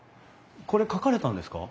これ描かれたんですか？